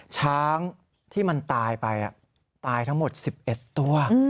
ช้างที่มันตายไปตายทั้งหมด๑๑ตัว